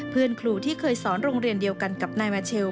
เพื่อนครูที่เคยสอนโรงเรียนเดียวกันกับนายมาเชล